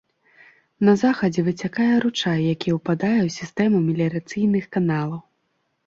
На захадзе выцякае ручай, які ўпадае ў сістэму меліярацыйных каналаў.